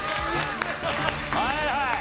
はいはい。